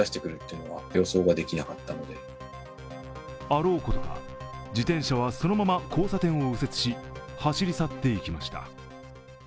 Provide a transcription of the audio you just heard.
あろうことか、自転車はそのまま交差点を右折し、走り去っていきました。